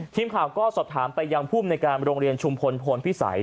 ทีมข่าวก็สอบถามไปยังภูมิในการโรงเรียนชุมพลพลพิสัย